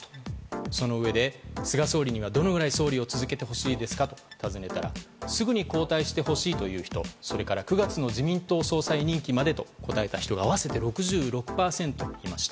そのうえで菅総理にはどのくらい総理を続けてほしいですかと尋ねたところすぐに交代してほしいという人それから９月の自民党総裁任期までと答えた人が合わせて６６％いました。